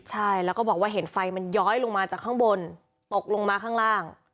ใช่แล้วก็บอกว่าเห็นไฟมันย้อยลงมาจากข้างบนตกลงมาข้างล่าง